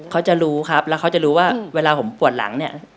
เขาจะรู้ครับแล้วเขาจะรู้ว่าเวลาผมปวดหลังเนี่ย